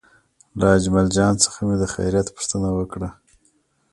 له اجمل جان څخه مې د خیریت پوښتنه وکړه.